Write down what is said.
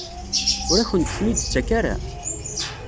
Ur akent-ten-id-tettak ara?